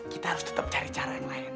kita harus tetap cari cara yang lain